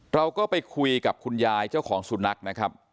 เราก็ไปคุยกับคุณยายเจ้าของสุนัขนะครับ